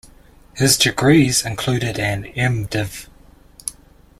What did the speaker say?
His degrees included an M. Div.